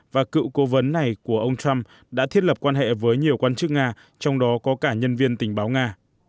và cựu cố vấn này của ông trump đã thiết lập quan hệ với nhiều quan chức nga trong đó có cả nhân viên tình báo nga